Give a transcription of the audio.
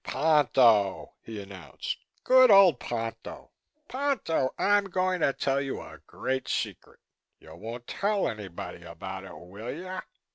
"Ponto!" he announced. "Good old Ponto, Ponto! I'm going to tell you a great secret. You won't tell anybody about it, will you?